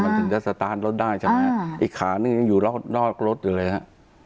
มันถึงจะสตาร์ทรถได้ใช่ไหมฮะอีกขานึงยังอยู่นอกรถอยู่เลยฮะ